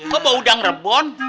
kok bau udang rebun